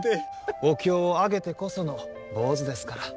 お経をあげてこその坊主ですから。